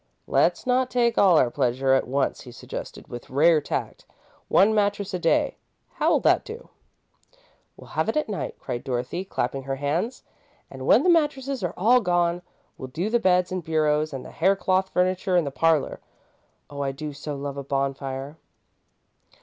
"Let's not take all our pleasure at once," he suggested, with rare tact. "One mattress a day how'll that do?" "We'll have it at night," cried Dorothy, clapping her hands, "and when the mattresses are all gone, we'll do the beds and bureaus and the haircloth furniture in the parlour. Oh, I do so love a bonfire!"